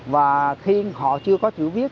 và khi họ chưa có chữ viết